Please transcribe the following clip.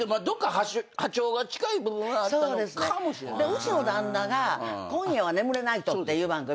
うちの旦那が『今夜はねむれナイト』っていう番組で。